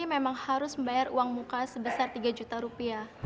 memang harus membayar uang muka sebesar tiga juta rupiah